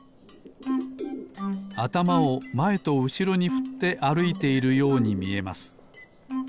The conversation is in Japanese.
あたまをまえとうしろにふってあるいているようにみえます。